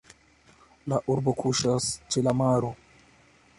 La urbo kuŝas ĉe la maro.